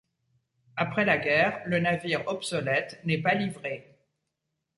Après la guerre, le navire obsolète n'est pas livré.